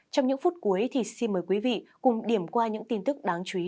trong những phút cuối thì xin mời quý vị cùng điểm qua những tin tức đáng chú ý